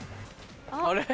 あれ？